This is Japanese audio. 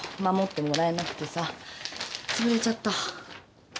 守ってもらえなくてさつぶれちゃった。